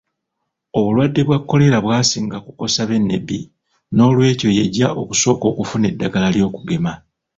Obulwadde bwa Kolera bwasinga kukosa b'e Nebbi, n'olwekyo y'ejja okusooka okufuna eddagala ly'okugema.